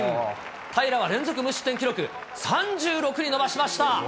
平良は連続無失点記録３６に伸ばしました。